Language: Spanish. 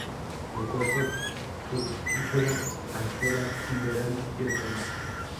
El cuerpo fructífero aflora en verano y otoño.